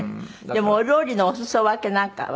でもお料理のお裾分けなんかは。